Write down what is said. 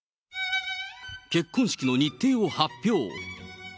結婚式の日程を発表。